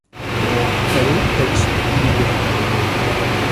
L. H. Beer.